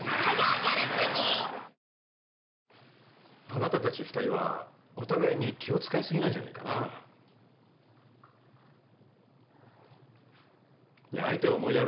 あなたたち２人はお互いに気を使い過ぎなんじゃないかな。いや。